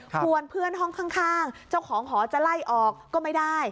เพื่อนห้องข้างเจ้าของหอจะไล่ออกก็ไม่ได้